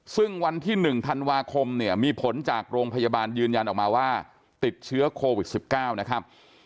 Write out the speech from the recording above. ซึ่งวันที่๑ธันวาคมเนี่ยมีผลจากโรงพยาบาลยืนยันออกมาว่าติดเชื้อโควิด๑๙นะครับ